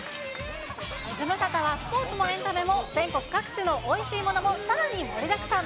ズムサタは、スポーツもエンタメも全国各地のおいしいものも、さらに盛りだくさん。